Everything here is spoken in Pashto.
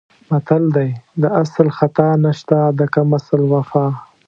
متل دی: د اصل خطا نشته د کم اصل وفا.